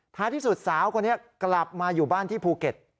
ที่สุดสาวคนนี้กลับมาอยู่บ้านที่ภูเก็ต